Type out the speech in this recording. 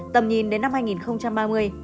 tầm nhìn đến năm hai nghìn ba mươi